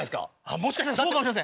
もしかしたらそうかもしれません。